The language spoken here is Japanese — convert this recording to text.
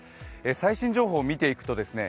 最新情報を見ていくとですね